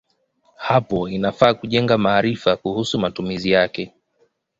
Hapo inafaa kujenga maarifa kuhusu matumizi yake.